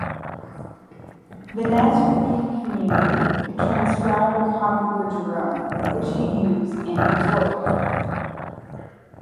The Nazarene Community transcribed a copy for Jerome which he used in his work.